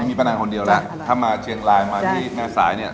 วันนี้ปะน่างคนเดียวละถ้ามาเฉียงลายมาที่แม่สายเนี่ย